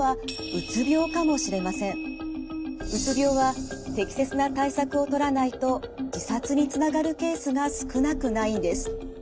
うつ病は適切な対策をとらないと自殺につながるケースが少なくないんです。